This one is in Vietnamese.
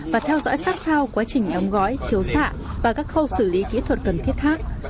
và theo dõi sát sao quá trình đóng gói chiếu xạ và các khâu xử lý kỹ thuật cần thiết khác